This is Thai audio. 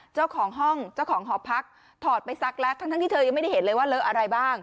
เจ้าของห้องเจ้าของหอพักถอดไปซักแล้วทั้งที่เธอยังไม่ได้เห็นเลยว่าเลอะอะไรบ้าง